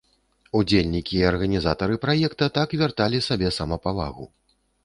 Удзельнікі і арганізатары праекта так вярталі сабе самапавагу.